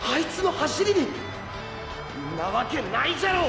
んなわけないじゃろう！